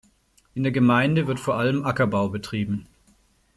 In der Gemeinde wird vor allem Ackerbau betrieben.